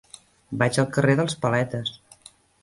Vaig al carrer dels Paletes.